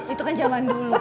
itu kan zaman dulu